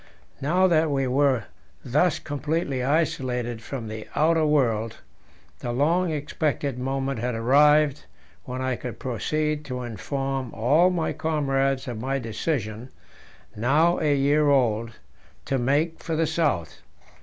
Now that we were thus completely isolated from the outer world, the long expected moment had arrived when I could proceed to inform all my comrades of my decision, now a year old, to make for the South.